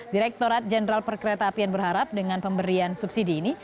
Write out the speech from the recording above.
direkturat jenderal perkereta apian berharap dengan pemberian subsidi ini